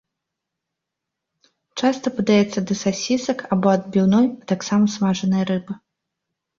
Часта падаецца да сасісак або адбіўной, а таксама смажанай рыбы.